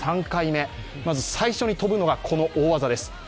３回目、まず最初に跳ぶのがこの大技です。